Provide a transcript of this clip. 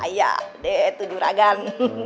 iya deh itu juragan